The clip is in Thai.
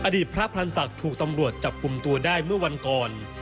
อดีตพระพรรณศักดิ์ถูกตำรวจจับกลุ่มตัวได้เมื่อวันก่อน